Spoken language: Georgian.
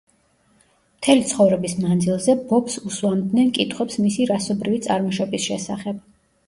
მთელი ცხოვრების მანძილზე ბობს უსვამდნენ კითხვებს მისი რასობრივი წარმოშობის შესახებ.